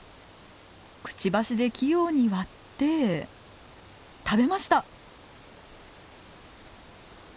くちばしで器用に割って食べました！